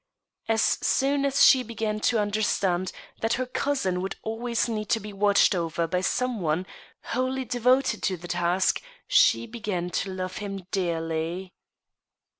As soon as she began to understand that her cousin would always need to be watched over by some one wholly devoted to the task, she began to love him dearly.